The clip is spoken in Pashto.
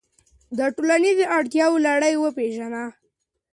د ټولنیزو اړتیاوو لړۍ وپیژنه.